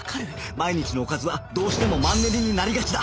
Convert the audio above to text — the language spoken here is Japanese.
毎日のおかずはどうしてもマンネリになりがちだ